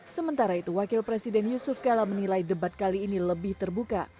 sementara itu wakil presiden yusuf kala menilai debat kali ini lebih terbuka